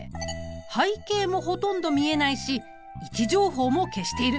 背景もほとんど見えないし位置情報も消している。